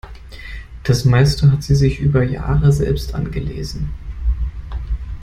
Das meiste hat sie sich über Jahre selbst angelesen.